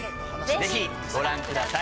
ぜひご覧ください